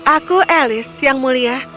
aku alice yang mulia